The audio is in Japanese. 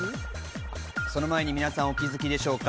その前に皆さんお気づきでしょうか？